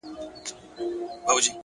د زاړه دفتر میز د ګڼو ورځو نښې لري!.